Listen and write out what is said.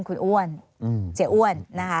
คุณอ้วนเสียอ้วน